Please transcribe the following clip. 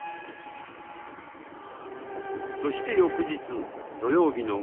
そして翌日土曜日の午後６時。